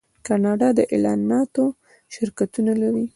کاناډا د اعلاناتو شرکتونه لري.